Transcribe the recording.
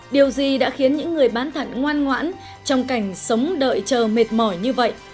điều gì đã khiến những người bán thận ngoan ngoãn trong cảnh sống đợi chờ mệt mỏi như vậy